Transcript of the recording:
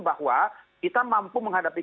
bahwa kita mampu menghadapi